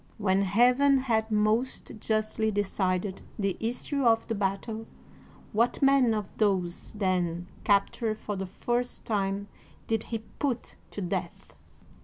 When Heaven had most justly decided the issue of the battle, what man of those then captured for the first time did he put to death